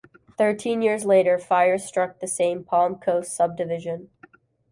Thirteen years later, fires struck the same Palm Coast subdivision.